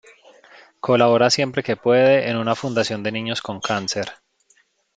Colabora siempre que puede en una fundación de niños con cáncer.